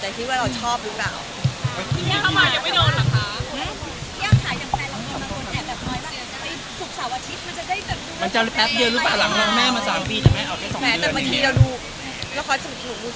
ไม่เจ้าโจมตี